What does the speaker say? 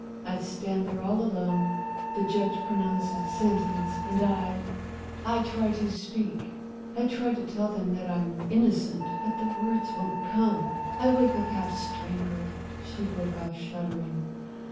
I stand there all alone, the judge pronounces sentence, and I I try to speak, I try to tell them that I'm innocent, but the words won't come I wake up half strangled" she broke off shuddering.